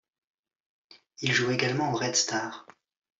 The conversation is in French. Il joue également au Red Star.